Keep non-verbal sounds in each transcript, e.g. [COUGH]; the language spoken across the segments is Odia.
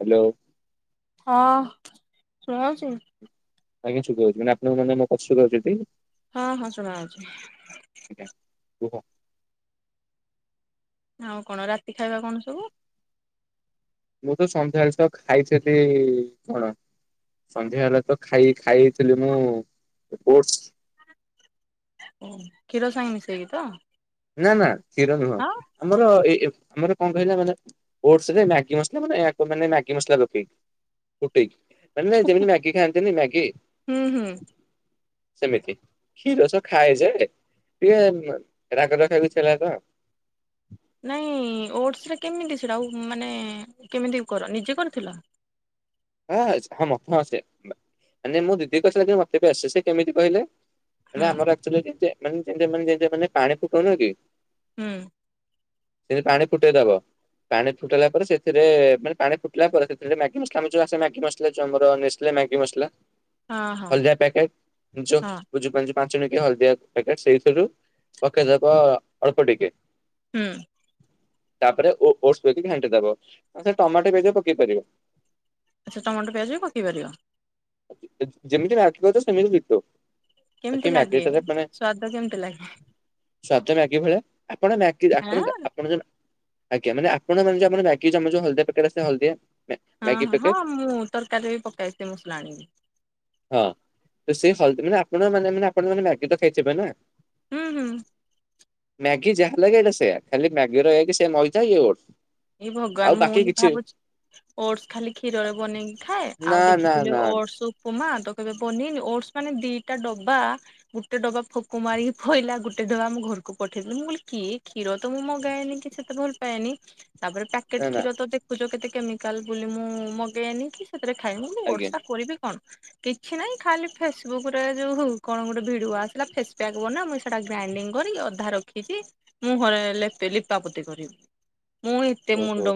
ହ୍ୟାଲୋ। ହଁ ଶୁଣା ହୋଉଛି। ଆଜ୍ଞା ଛୁଖ ହଉଛି ମାନେପଣ ମାନେ କଷ୍ଟ କରୁଛନ୍ତି। ହଁ ହଁ ଶୁଣା ହୋଉଛି। ଆଜ୍ଞା କୁହ। ଆଉ କଣ ରାତି ଖାଇବା କଣ ସବୁ। ମୁଁ ତ ସନ୍ଧ୍ୟାବେଳଷ ଖାଇଥିଲି କଣ ସନ୍ଧ୍ୟା ହେଲେ ତ ଖାଇ ଖାଇଇଥିଲି ମୁଁ ଓଟସ୍। ଓହ କ୍ଷୀର ସାଙ୍ଗେ ମିଶେଇକି ତ। ନା ନା କ୍ଷୀର ନୁହଁ ଆମର ଏଇ ଆମର କଣ କହିଲ ମାନେ ଓଟସ ମ୍ୟାଗି ମସଲା ମାନେ ମାନେ ମ୍ୟାଗି ମସଲା ପକେଇକି ଫୁଟେଇକି। ନ ନାଇଁ ଯେମିତି ମ୍ୟାଗି ଖାଆନ୍ତିନି ମ୍ୟାଗି। ହୁଁ ହୁଁ। ସେମିତି କ୍ଷୀର ସବ ଖାଏଯାଏ ଟିକେ ରାଗ ଟା ଖାଇବାକୁ ଇଛା ହେଲା ତ। ନାଇଁ ଓଟ୍ସ ଟା କେମିତି ସେଇଟା ଆଉ ମାନେ କେମିତି କର ନିଜେ କରିଥିଲ। ହଁ ମତେ ହଁ ସିଏ ଆନେ ମୋ ଦିଦି କରିଥିଲା କି ମତେ ବି ଆସେ ସେ କେମିତି କହିଲେ। ମାନେ ହୁଁ ଆମର ଆକଚୁଆଲି ଯେ ମାନେ ଯେମିତିଆ ମାନେ ଯେମିତି ପାଣି ଫୁଟଉନ କି? ହୁଁ। ସେମିତି ପାଣି ଫୁଟେଇ ଦବ। ପାଣି ଫୁଟିଲା ପରେ ସେଥିରେ ମାନେ ପାଣି ଫୁଟିଲା ପରେ ସେତିକି ବେଳେ ମ୍ୟାଗି ମସଲା ଆମେ ଯୋଉ ଆସେ ମ୍ୟାଗି ମସଲା ଯୋଉ ଆମର ନେଷ୍ଟଲେ ମ୍ୟାଗି ମସଲା। ହଁ ହଁ ହଳଦିଆ ହଁ ପ୍ୟାକେଟ [UNINTELLIGIBLE] ପାଞ୍ଚ ଟଙ୍କିଆ ହଳଦିଆ ପ୍ୟାକେଟ୍ ସେଇଥିରୁ ପକେଇଦବ ଅଳ୍ପ ଟିକେ। ହୁଁ। ତାପରେ ଓ ଓଟସକୁ ପକେଇ ଦେଇକି ଘାଣ୍ଟି ଦବ ଆଛା ଟମାଟୋ ବି ପକେଇ ପାରିବ। ଆଛା ଟମାଟ ପିଆଜ ବି ପକେଇ ପାରିବ। ଯେମିତି ମ୍ୟାଗି କରୁଚ ସେମିତି ଡିଟୋ। କେମିତି ଲାଗେ ସ୍ଵାଦ କେମତି ଲାଗେ? ସ୍ଵାଦ ମ୍ୟାଗି ଭଳିଆ ଆପଣ ମ୍ୟାଗି ଆପଣ ଆଁ? ଆପଣ ଆଜ୍ଞା ମାନେ ଯୋଉ ଆପଣ ଯା ଯୋଉ ହଳଦିଆ ପ୍ୟାକେଟ୍ ଆସେ ହଳଦିଆ। ମ୍ୟା ହଁ ମ୍ୟାଗି ହଁ ପ୍ୟାକେଟ ମୁଁ ତରକାରୀ ବି ପକାଏ ସେ ମସଲା ଆଣିକି। ହଁ ତ ସେଇ ହଲଦ ମାନେ ଆପଣ ମାନେ ମାନେ ଆପଣ ମାନେ ମ୍ୟାଗି ତ ଖାଇଥିବେ ନା। ହୁଁ ହୁଁ ମ୍ୟାଗି ଯାହା ଲାଗେ ଏଟା ସେଆ ଖାଲି ମ୍ୟାଗିର ଏକେ ସେ ମଇଦା ଇଏ ଓଢ଼ସ୍। ଏଇ ଭଗବାନ ମୁଁ ବି ଭାବୁଚି ଓଢ଼ସ୍ ଖାଲି କ୍ଷୀରରେ ବନେଇକି ଖାଏ ନା ଆଉ ନା ନା ଦେଖିଥିଲେ ଓଢ଼ସ୍ ଉ ଉପମା ତ କେବେ ପନିର ଓଢ଼ସ୍ ମାନେ ଦିଟା ଡବା ଗୋଟେ ଡବା ଫୋକ ମାରିକି ପଇଲା ଗୋଟେ ଡବା ଆମ ଘରକୁ ପଠେଇଥିଲି ମୁଁ କହିଲି କିଏ କ୍ଷୀର ତ ମୁଁ ମଗାଏନି କିଛି ସେତେ ଭଲ ପାଏନି ତାପରେ ନା ପ୍ୟାକେଟ୍ ନା କ୍ଷୀର ତ ଦେଖୁଚ କେତେ କେମିକାଲ ବୋଲି ମୁଁ ମଗେଇନି କି ସେଥିରେ ଖାଇନି ମୁ ଓଢ଼ସ୍ ଆଜ୍ଞା ଟା କରିବି କଣ। କିଛି ନାାଇଁ ଖାଲି ଫେସବୁକ୍ ରେ ଯୋଉ ହଉ କଣ ଗୋଟେ ଭିଡିଓ ଆସିଲା ଫେସ୍ ପ୍ୟାକ୍ ବନା ସେଟା ଗ୍ରାଇଣ୍ଡିଙ୍ଗ କରି ଅଧା ରଖିଚି ମୁହଁରେ ଲେପେ ଲିପାପୋତି କରିବି। ମୁଁ ଏତେ ଓହୋ ମୁଣ୍ଡ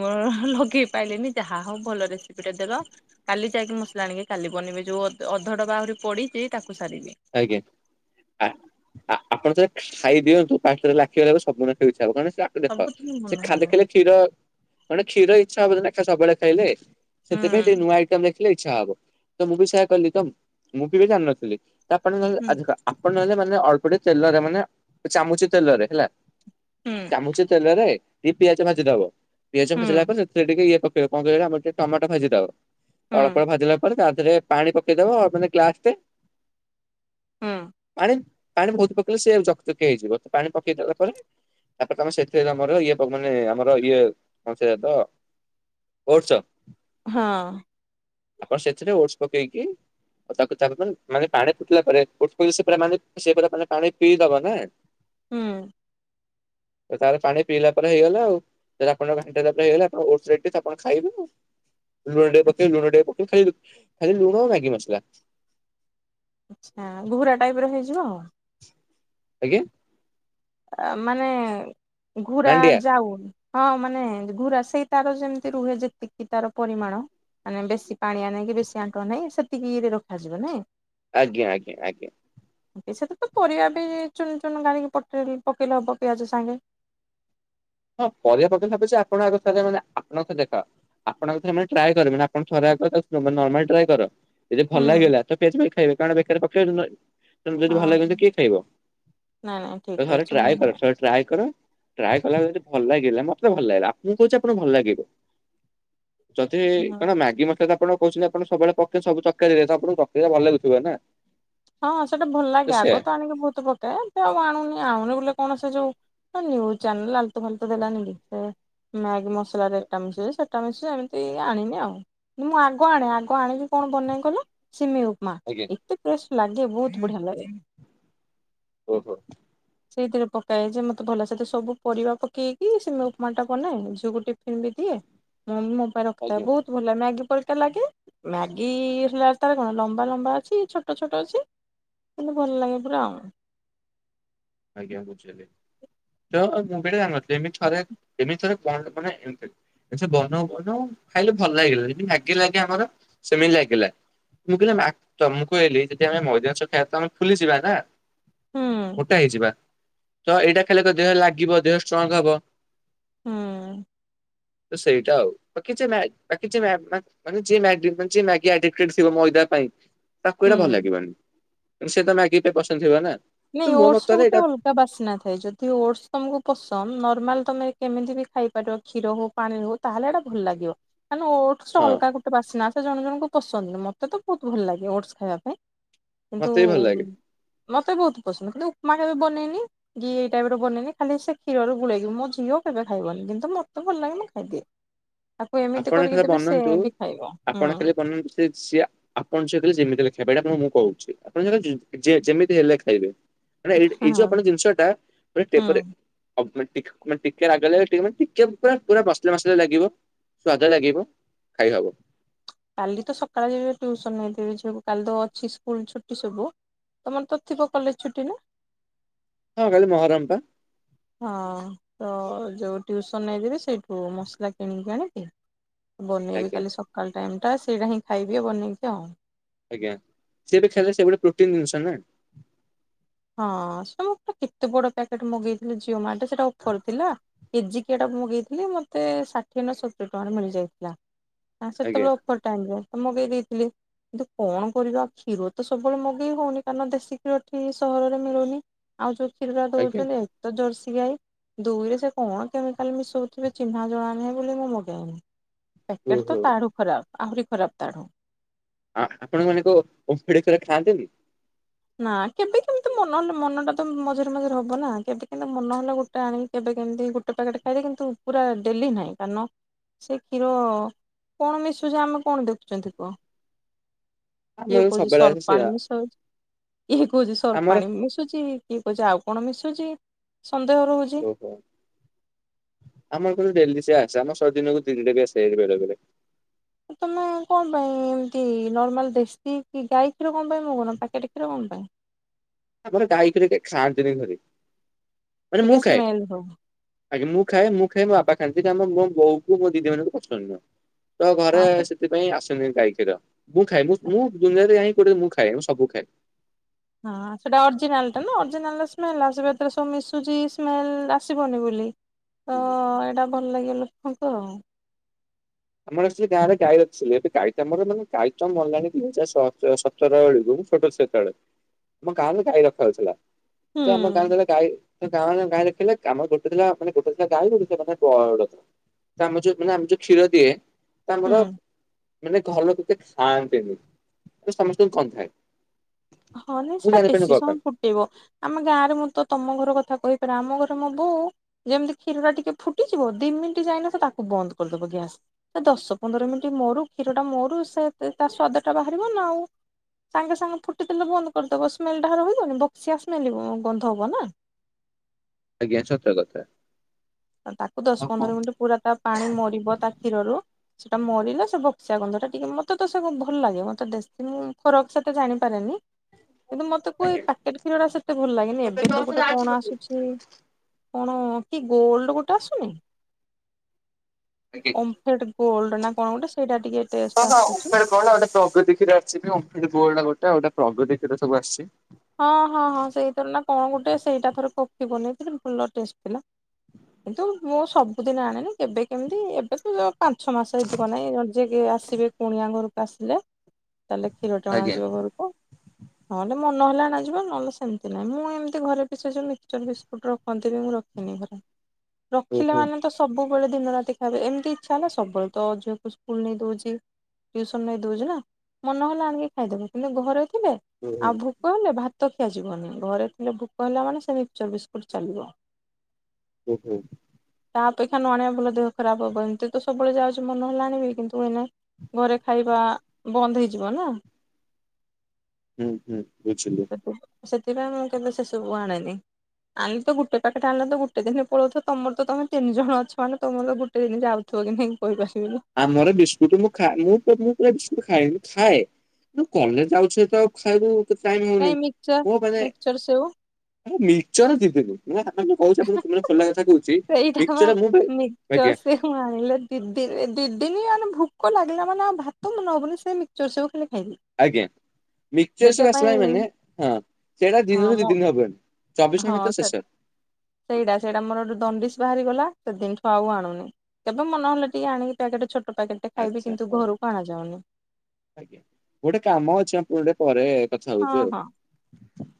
ଲଗେଇ ପାରଲିନି ଯାହା ହଉ ଭଲ ରେସିପିଟେ ଦେଲ। କାଲି ଯାଇକି ମସଲା ଆଣିକି କାଲି ବନିବେ ଯୋଉ ଅଧ ଅଧଡବା ଆହୁରି ପଡିଚି ତାକୁ ସାରିବି। ଆଜ୍ଞା ଆ ଆ ଆପଣ ଯେବେ ଖାଇ ଦିଅନ୍ତୁ ପାଟିରେ ଲାଖିଗନେ ସବୁ ମାନେ ଖାଇବାକୁ ଇଛା ହବ। ଦେଖ ସବୁଦିନ ସେ ଭଲ ଖାଲି ହବ ଖାଇଲେକ୍ଷୀର ମାନେ କ୍ଷୀର ଇଚ୍ଛା ହବନି ସବୁବେଳେ ଖାଇଲେ। ହୁଁ ସେଥିପାଇଁ ଟିକେ ନୂଆ ଆଇଟମ୍ ଦେଖିଲେ ଇଚ୍ଛା ହବ ତ ମୁଁ ବି ସେୟା କହିଲି ମୁଁ ବି ଜାଣିନଥିଲି। ଆପଣ ନହେଲେ ହୁଁ ଅଧିକ ଆପଣ ନହେଲେ ମାନେ ଅଳ୍ପ ଟିକେ ତେଲରେ ମାନେ ଚାମୁଚେ ତେଲରେ ହେଲା ହୁଁ ଚାମୁଚେ ତେଲରେ ଟିକେ ପିଆଜ ଭାଜିଦବ ପିଆଜ ହୁଁ ଭାଜିଲା ପରେ ସେଥିରେ ଟିକେ ଇଏ ପ କଣ କଇଲେ ଆମର ଟିକେ ଟମାଟ ଭାଜିଦବ ହୁଁ ଅଳ୍ପ ଅଳ୍ପ ଭାଜିଲା ପରେ ତା ଦେହରେ ପାଣି ପକେଇଦବ ମାନେ ଗ୍ଲାସ୍ ଟେ। ହଁ। ଆରେ ପାଣି ବହୁତ୍ ପକେଇଲେ ସେ ଜକଜକି ହେଇଯିବ ପାଣି ପକେଇଲା ପରେ ତାପରେ ତମେ ସେଥିରେ ଆମର ଇଏ ମାନେ ଆମର ଇଏ କଣ ସେଇଆତ ଓଢ଼ସ୍। ହଁ। ଆପଣ ସେଥିରେ ଓଢ଼ସ୍ ପକେଇକି ଓ ତାକୁ ତା ମାନେ ପାଣି ଉଠିଲା ପରେ ଓଢସ୍ ସେ ପୁରା ମାନେ ସେ ପୁରା ମାନେ ପାଣି ପିଇଦବ ନା। ହୁଁ। ତାର ପାଣି ପିଇଲା ପରେ ହେଇଗଲା ଆଉ। ଏରାପରେଘଣ୍ଟାପରେ ହେଇଗଲାଓଢ଼ସ୍ ରେଡି ତ ଆପଣଖାଇବେ ଆଉ। ଲୁଣ ଆଚ୍ଛା ପକେଇ ଲୁଣ ପକେଇ ଖାଲି ଲୁଣ ମ୍ୟାଗି ମସଲା ଆଚ୍ଛା ଘୁୁରା ଟାଇପିର ହେଇଯିବ ଆଉ। ଆଜ୍ଞା। ମାନେ ଘୋରା ମାଣ୍ଡିଆ ଯାଉ। ହଁ ମାନେ ଘୁରା ସେଇ ତାର ଯେମିତି ରୁହେ ଯେତିକି ତାର ପରିମାଣ। ମାନେ ବେଶୀ ପାଣିଆ ନାହିଁ କି ବେଶୀ ଆଣ୍ଟୁଆ ନାହିଁ ସେତିକିରେ ରଖାଯିବ ନାଇଁ। ଆଜ୍ଞା ଆଜ୍ଞା ଆଜ୍ଞା। ସେ ତ ପରିବାପାଇଁଚୁନ୍ ଚୁନ୍ କରିକି କାଟିକି ପକେଇଲେ ହବ ପିଆଜ ସାଙ୍ଗେ। ହଁ ପରିବା ପକେଇନେ ହବଯେ ଆପଣ ଆଗ ଥରେ ମାନେ ଆପଣ ଦେଖ ଆପଣ ଆଉଥରେ ଟ୍ରାଏ କରିବେନି ଆପଣ ଥରେ ଆଗ ତାକୁ ନର୍ମାଲି ଟ୍ରାଏ କର ଯଦି ଭଲ ହୁଁ ଲାଗିଲା ତ ପଜେ ମିଲ୍କ ଖାଇବେ କାରଣ ବେକରେ ପକେଇବେ। ଯଦି ହଁ ଭଲ ଲାଗିବ ହଁ କିଏ ଖାଇବ ନାଇଁ ନାଇଁ ଠିକ ତ ଥରେ କହିଛ ମୁଁ ଟ୍ରାଏ କର। ଟ୍ରାଏ କର ଟ୍ରାଏ କଲାଯଦି। ଭଲ ଲାଗିଲା ମତେ ଭଲ ଲାଗିଲା ଆପଣଙ୍କୁ କହୁଛି ଆପଣଙ୍କୁ ଭଲ ଲାଗିବ। ଯଦି ହୁଁ। କଣ ମାଗି ମସଲା ତ ଆପଣ କହୁଛନ୍ତି ଆପଣ ସବୁବେଳେ ପକେଇ ସବୁ ତରକାରୀରେ ତ ଆପଣଙ୍କୁ ପକେଇଲେ ଭଲ ଲାଗୁଥିବ ନା। ହଁ ସେଟା ଭଲ ଲାଗେ ଆଗ ତ ଆଣିକି ବହୁତ ପକାଏ ଆଉ ଆଣୁନି ଆଣୁନି ବୋଲି କଣ ସେ ଯୋଉ। ହଁ ନିଉଜୁ ଚାନେଲ ଆଲତୁ ଫାଲୁତୁ ଦେଲା ନି କି। ମ୍ୟାଗି ମସଲା ରେ ଏଟା ମିସେ ସେଇଟା ମିସେ ଏମିତି ଆଣିନି ଆଉ। ମୁଁ ଆଗ ଆଣେ ଆଗ ଆଣିକି କଣ ବନାଏ କହିଲ ସିମେଇ ଉପମା। ଆଜ୍ଞା। ଏତେ ଫ୍ରେଶ ଲାଗେ ବହୁତ ବଢିଆ ଲାଗେ। ଓହୋ। ସେଇଥିରେ ପକାଏ ଯେ ମତେ ଭଲ ସେତ ସବୁ ପରିବା ପକେଇକି ସିମେଇ ଉପମା ଟା ବନାଏ ଝିଅ ଗୋଟେ ଏମିତିଆ ମମି ମୋ ପାଇଁ ଆଜ୍ଞା ରଖିଥାଏ ବହୁତ ଭଲ ଲାଗେ ମ୍ୟାଗି ପରିକା ଲାଗେ। ମ୍ୟାଗି ହେଲା ତାର କଣ ଲମ୍ବା ଲମ୍ବା ଅଛି ଛୋଟ। ଛୋଟ ଛୋଟ ଅଛି କିନ୍ତୁ ଭଲ ଲାଗେ ପୁରା ଆଉ। ଆଜ୍ଞା ବୁଝିଲି ତ ମୁଁ ବିଟେ ଜାଣିନଥିଲି ଏମିତି ଥରେ ଏମିତି ଥରେ କଣ ମାନେ ଏମିତି। ସେ ବନଉ ବନଉ ଖାଇଲେ ଭଲ ଲାଗିଲା ଯେମିତି ମ୍ୟାଗି ଲାଗେ ଆମର ସେମିତି ଲାଗିଲା। ମୁଁ କହିଲି ମା ତମକୁ କହିଲି ଯଦି ଆମେ ମଇଦା ମାଂସ ଖାଇବା ତ ଆମେପୁଲି ଯିବା ନା। ହୁଁ ମୋଟା ହେଇଯିବା ତ ଏଇଟା ଖାଇଲେ ତ ଦେହ ଲାଗିବ ଦେହ ଷ୍ଟ୍ରଙ୍ଗ ହବ। ହୁଁ ତ ସେଇଟା ଆଉ କିଛି ନାଇଁ କିଛି ମା ମାନେ ଯିଏ ମ୍ୟାଗି ମ୍ୟାଗି ଆଇଡିଣ୍ଟି ଥିବ ମଇଦା ପାଇଁ ତାକୁ ଏଇଟା ଭଲ ହୁଁ। ଲାଗିବନି ସେ ତ ମ୍ୟାଗି ପାଇଁ ପସନ୍ଦ ଥିବ ନା କିନ୍ତୁ ନାଇଁ ମୋ ଓଟସ୍ସ ର ମତରେ ଗୋଟେ ଏଇଟା ଅଲ ବାସ୍ନା ଥାଏ ଯଦି ଅଟ୍ସ ତମକୁ ପସନ୍ଦ ନର୍ମାଲ ତମେ କେମିତି ବି ଖାଇପାରିବ କ୍ଷୀର ହଉ ପାଣିରେ ହଉ ତାହେଲେ ଏଇଟା ଭଲ ଲାଗିବ ମାନେ ଓ ହଁ ଅଲଗା ଗୋଟେ ବାସ୍ନା ଆସେ ଜଣ ଜଣଙ୍କୁ ପସନ୍ଦ ମତେ ତ ବହୁତ ଭଲ ଲାଗେ ଅଟ୍ପ ଖାଇବା ପାଇଁ କିନ୍ତୁ ମତେ ବି ଭଲ ଲାଗେ ମତେ ବହୁତ୍ ପସନ୍ଦ କିନ୍ତୁ ଉପମା କେବେ ବନେଇନି ଦି ଏଇ ଟାଇପ୍ ର ବନେଇଲି ଖାଲି ସେ କ୍ଷୀରରେ ଗୁଳେଇକି ମୋ ଝିଅ କେବେ ଖାଇବନି କିନ୍ତୁ ମତେ ଭଲ ଲାଗେ ମୁଁ ଖାଇଦିଏ ତାକୁ ଆପଣ ଏମିତି ଏଠାରେ କରିକି ଦେବେ ସେ ବନାନ୍ତୁ ବି ଖାଇବ ହୁଁ ଆପଣ ଖାଲି ବନାନ୍ତୁ ସେ ସିଆ ଆପଣ ସେ କହିଲ ଯେମିତି ହେଲେ ଖାଇବେ ଏଇଟା ଆପଣ ମୁଁ କହୁଛି ଆପଣ ଯେମିତି ହେଲେ ଖାଇବେ ମାନେ ଏଇ ଟା ଏଇ ହଁ। ଯୋଉ ଆପଣ ଜିନିଷ ଟା ଟେମ୍ପରାରି ହୁଁ ଅପ୍‌ମେଟିକ୍ ମାନେ ଟିକେ ରାଗ ଲାଗେ ଟିକେ ପୁରା ପୁରା ମସଲା ମସଲା ଲାଗିବ ସ୍ଵାଦ ଲାଗିବ ଖାଇହବ। କାଲି ତ ସକାଳେ ଯିବ ଟ୍ୟଉସନ ହେଇ ଝିଅକୁ କାଲି ତ ଅଛି ସ୍କୁଲ ଛୁଟି ସବୁ ତମର ତ ଥିବ କଲେଜ୍ ଛୁଟି ନା। ହଁ କାଲି ମହରମ୍ ପା, ହଁ ତ ଯୋଉ ଟ୍ଯୁଉସନ ନେଇଯିବେ ସେଇଠୁ ମସଲା କିଣିକି ଆଣିକି, ବନେଇବି ଆଜ୍ଞା। କାଲି ସକାଳ ଟାଇମ୍ ଟା ସେଇଟା ହିଁ ଖାଇବି ବନେଇକି ଆଉ ଆଜ୍ଞା ସିଏବି ଖାଇଲେ ସେ ଗୋଟେ ପ୍ରୋଟିନ୍ ଜିନିଷ ନା ହଁ ସେ କେତେ ବଡ ପ୍ୟାକେଟ୍ ମଗେଇଥିଲ ଜିଓ ମାର୍ଟ ସେଟା ଅଫର ଥିଲା। କେଜି କି ଆଟା ମଗେଇଥିଲି ମତେ ଷାଠିଏ ନା ସତୁରି ଟଙ୍କାରେ ମିଳିଯାଇଥିଲା ତା ଆଜ୍ଞା ସେତେବେଳେ ଅଫର ଟାଇମ୍ ରେ ତ ମଗେଇ ଦେଇଥିଲି। କିନ୍ତୁ କଣ କରିବା କ୍ଷୀର ତ ସବୁବେଳେ ମଗେଇ ହଉନି କାରଣ ଦେଶୀ କ୍ଷୀର ଠିକ୍ ସହରରେ ମିଳୁନି ଆଉ ଯୋଉ କ୍ଷୀର ରା ଆଜ୍ଞା ଦଉଛନ୍ତି ତ ଜର୍ସି ଗାଈ ଦୁଇରେ ସେ କଣ କେମିକାଲ୍ ମିଶଉଥିବେ ଚିହ୍ନା ଜଣା ନାହିଁ ବୋଲି ମୁଁ ମଗାଏନି। ପ୍ୟାକେଟ୍ ତ ଓହୋ। ତାଠୁ ଖରାପ ଆହୁରି ଖରାପ୍ ତାଠୁ ଆ ଆପଣ ମାନେ ଓମଫେଡ କ୍ଷୀର ଖାଆନ୍ତିନି? ନା କେବେ କେମିତି ମନ ହେଲେ ମନ ଟା ତ ମଝିରେ ମଝିରେ ହବ ନା କେବେ କେମିତି ମନ ହେଲେ ଗୋଟେ। ଆଣିକି କେବେ କେମିତି ଗୋଟେ ପ୍ୟାକେଟ ଖାଇଦିଏ କିନ୍ତ ପୁରା ଡେଲି ନାହିଁ କାରଣ ସେ କ୍ଷୀର କଣ ମିଶୁଛି ଆମେ କଣ ଦେଖୁଛନ୍ତି କୁହ। କିଏ ଆମର କହୁଚି ସବୁବେଳେ ସର୍ଫ ଆସେ ସେୟା ପାଣି ମିସଉଛି। କିଏ କହୁଛି ସର୍ଫ ଆମର ପାଣି ମିଶୁଛି କିଏ କହୁଛି ଆଉ କଣ ମିଶୁଛି ସନ୍ଦେହ ରହୁଛି। ଆମର କିନ୍ତୁ ଡ଼େଲୀ ସେଆ ଆସେ ଆମର ସର୍ଦିନକୁ ଡେଲିରେ ବି ଆସ ବେଳେ ବେଳେ। ତମେ କଣ ପାଇଁ ଏମିତି ନର୍ମାଲ ଦେଶୀ କି ଗାଈ କ୍ଷୀର କଣ ପାଇଁ ମଗଉନ ପ୍ୟାକେଟ୍ କ୍ଷୀର କଣ ପାଇଁ? ଆମର ଗାଈକ୍ଷୀର କେହି ଖାଆନ୍ତି ନି ଘରେ, ମାନେ ମୁଁ ଟିକେ ଖାଏ। ସ୍ମେଲ ହଉ ଆଜ୍ଞା ମୁଁ ଖାଏ ମୁଁ ଖାଏ ମୋ ବାପା ଖାଆନ୍ତି ଆ ମୋ ବୋଉ କ ମୋ ଦିଦି ମାନଙ୍କୁ ପସନ୍ଦ ନୁହେଁ ତ ଘରେ। ହଁ ସେ ସେଥିପାଇଁ ଆସେନି ଗାଈ କ୍ଷୀର, ମୁଁ ଖାଏ ମୁଁ ମୁଁ ଦୁନିଆରେ ଯଁ କୋଉଠେ ମୁଁ ଖାଏ ମୁଁ ସବୁ ଖାଏ। ହଁ ସେଇଟା ଅରିଜିନାଲ ଟା ନା ଅରିଜିନାଲ ସ୍ମେଲ ଆସିବ ଏଥିରେ ସ ମିଶୁଛି ସ୍ମେଲ ଆସିବନି ବୋଲି। ତ ଏଇଟା ଭଲ ଲାଗେ ଲୋକଙ୍କୁ ଆଉ। ଆମର ଆକ୍ଚୁଲି ଗାଁରେ ଗାଈ ର ରଖଥିଲେ ଏବେ ଗାଈତ ଆମର ମାନେ ଗାଈତ ମଲାଣି ଦୁଇ ହଜା ଚରଳିକୁ ଛୋଟ ସେତେବେଳେ, ଆମ ଗାଁରେ ଗାଈ ରଖାହଉଥିଲା। ହୁଁ ତ ଆମ ଗାଁ ଟାରେ ଗାଈ ତ ଗାଁରେ ଗାଈ ରଖିଥିଲେ। ଆମର ଗୋଟେ ଥିଲା ମାନେ ଗୋଟେ ଥିଲା ଗାଈ ଗୋଟେ ଥିଲା [UNINTELLIGIBLE] ତ ଆମର ଆମ ଯୋଉ କ୍ଷୀର ଦିଏ ତ ହୁଁ। ଆମର ମାନେ ଘର ଲୋକ ଏତେ ଖାଆନ୍ତିନି। ସମସ୍ତଙ୍କୁ କମ୍ ଥାଏ। ହଁ ନାଇଁ ସେଇଟା ବେଶୀ ସମୟ ପାଇଁ ଫୁଟ୍ ଟେଇବ। ଆମ ଗାଁରେ ମୁଁ ତ ତମ ଘର କଥା କହିପାରେ ଆମ ଘରେ ମୋ ବୋଉ ଯେମିତି କ୍ଷୀର ଟା ଟିକେ ଫୁଟିଯିବ, ଦି ମିନିଟ୍ ଯାଇନଥିବ ତାକୁ ବନ୍ଦ କରିଦବ ଗ୍ୟାସ। ଏ ଦଶ ପନ୍ଦର ମିନିଟ୍ ମରୁ କ୍ଷୀର ଟା ମରୁ ସେ ତା ସ୍ଵାଦ ଟା ବାହାରିବ ନା ଆଉ। ସାଙ୍ଗେ ସାଙ୍ଗେ ଫୁଟିଥିଲେ ବନ୍ଦ କରିଦବ, ସ୍ମେଲ୍ ଟା ରହିବନି ବକ୍ସିଆ ସ୍ମେଲ୍ ଗନ୍ଧ ହବ ନା। ଆଜ୍ଞା ସତ କଥା। ଆ ତାକୁ ଦଶ ଆଉ କଣ ପନ୍ଦର ମିନିଟ୍ ପୁରା ତା ପାଣି ମରିବ ତା କ୍ଷୀରରୁ ସେଟା ମରିଲେ ସେ ବକ୍ସିଆ ଗନ୍ଧ ଟା ଟିକେ ମୋତେ ତ ସେ ଭଲ ଲାଗେ। ମୋତେ ବେଶୀ ମୁଁ ଫରକ୍ ସେତେ ଜାଣିପାରେନି କିନ୍ତୁ ମତେ କହେ ଏ ଆଜ୍ଞା ପ୍ୟାକେଟ୍ କ୍ଷୀର ଗୁରା ସେତେ ଭଲ ଲାଗେନି। ଏବେ ତ ଗୋଟେ କଣ ଆସୁଚି କଣ କି ଗୋଲଡ ଗୋଟେ ଆସୁନି? [UNINTELLIGIBLE] ଓମଫେଡ୍ ଗୋଲଡ ନା କଣ ଗୋଟେ। ସେଇଟା ଟିକେ ଟେଷ୍ଟ ହଁ ହଁ ଆସୁଛି ଓମଫେଡ୍ କଣ ଗୋଟେ ପ୍ରଗତି କ୍ଷୀର ଆସ୍ ସେ ବି ଓମଫେଡ୍ ଗୋଲ୍ଡ ଗୋଟେ ପ୍ରଗତି କ୍ଷୀର ସବୁ ଆସିଚି। ହଁ ହଁ ହଁ ସେଇଥିର ନା କଣ ଗୋଟେ ସେଇଟା ଥରେ କଫି ବନେଇଥିଲି ଭଲ ଟେଷ୍ଟ ଥିଲା। କିନ୍ତୁ ମୁଁ ସବ୍ ସବୁଦିନ ଆଣେନି। କେବେ କେମିତି ଏବେ ତ ଯୋଉ ପାଞ୍ଚ ଛମାସ ଏଇଥିବ ନାହିଁ, ଯିଏ ବି ଆସିବେ କୁଣିଆ ଘରକୁ ଆସିଲେ ତାହେଲେ କ୍ଷୀର ଟେ ଆଜ୍ଞା ଅଣାଯିବ ଘରକୁ। ନହେଲେ ମ ନହେଲେ ଆଣାଯିବ ନହେଲେ ସେମତି ନାହିଁ। ମୁଁ ଏମିତି ଘରେ ପି ସେ ଯୋଉ ମିକ୍ସଚର୍ ବିସ୍କୁଟ୍ ରଖନ୍ତି ବି ମୁଁ ରଖିନି ଘରେ। ରଖିଲେ ଓହୋ ମାନେ ତ ସବୁବେଳେ ଦିନରାତି ଖାଇବେ। ଏମତି ଇଚ୍ଛା ହେଲା ସବୁବେଳେ ତ ଝିଅକୁ ସ୍କୁଲ ନେଇ ଦଉଚି। ଟିଉସନ୍ ନେଇ ଦଉଚି ନା। ମନହେଲା ଆଣିକି ଖାଇଦବୁ। କିନ୍ତୁ ଘରେ ଥିଲେ ଓହୋ ଆଉ ଭୋ କ ହେଲେ ଭାତ ଖିଆ ଯିବନି। ଘରେ ଥିଲେ ଭୋକ ହେଲା ମାନେ ସେ ମିକ୍ସଚର ବିସ୍କୁଟ୍ ଚାଲିବ। [UNINTELLIGIBLE] ତା ଅପେକ୍ଷା ନ ଆଣିବା ଭଲ ଦେହ ଖରାପ ହବ। ଏମତି ତ ସବୁବେଳେ ଯାଉଚି ମନହେଲେ ଆଣିବି। କିନ୍ତୁ ଏଇନା ଘରେ ଖାଇବା ବନ୍ଦ ହେଇଯିବ ନା। ହୁଁ ହୁଁ ବୁଝିଲି। ସେଥି ସେଥିପାଇଁ ମୁଁ କେଭେ ସେସବୁ ଆଣେନି। ଆଣିଲେ ତ ଗୋଟେ ପ୍ୟାକେଟ୍ ଆଣିଲେ ତ ଗୋଟେ ଦିନି ପଳଉଥିବ। ତମର ତ ତମେ ତିନି ଜଣ ଅଛ ମାନେ ତମର ଗୋ ଟେ ଦିନି ଯାଉଥିବ କି ନାହିଁ କହିପାରିବିନି। ଆମର ବିସ୍କୁଟ ମୁଁ ଖା ମୁଁ ମୁଁ ପୁରା ବିସ୍କୁଟ ଖାଏନି ମୁଁ ଖାଏ। କଲେଜ୍ ଯାଉଚି ଏତେ ଆଉ ଖାଇବୁ ଟାଇମ୍ ହଉନି। ନାଇଁ ମିକ୍ସଚର ମୋ ମାନେ ମିକ୍ସଚର ସେଉ ମୁଁ ମିକ୍ସଚର ଦି ଦିନି। ମୁଁ ଆପଣଙ୍କୁ କହୁଚି ଆପଣଙ୍କୁ ପୁରା ଖୋଲା କଥା କହୁଚି ମିକ୍ସଚର ମୁଁ ବା ଆଜ୍ଞା ମୁଁ ଆଣିଲେ ଦି ଦିନି ଦି ଦିନ ମାନେ ଭୁକ ଲାଗିଲା ମାନେ ଆଉ ଭାତ ମୁଁ ମନ ହବନି ସେ ମିକ୍ସଚର ସେଉ ଖାଲି ଖାଇଲିି। ଆଜ୍ଞା। ମିକ୍ସଚର ସେଉ ଆସିଲାଣି ମାନେ ହଁ ସେଇଟା ହଁ ଦିନରୁ ଦି ମୋ ଦିନି ହବନି। ଚବିଶ ହଁ। ଘଣ୍ଟା ଭିତରେ ସେ ଶେଷ ସେଇଟା। ସେଇଟା ମୋର ଗୋଟେ ଦଣ୍ଡିସ୍ ବାହାରିଗଲା ସେଦିନଠୁ ଆଉ ଆଣୁନି। କେବେ ମନ ହେଲେ ଟିକେ ଆଣିକି ପ୍ୟାକେଟ୍ ଛୋଟ ପ୍ୟାକେଟ୍ ଆଚ୍ଛା ହଉ ଆଜ୍ଞା। ଗୋଟେ କାମ ଅଛି ମୁଁ ଟିକେ ପରେ କଥା ହଁ ହଉଚି ହଁ। ଆଉ।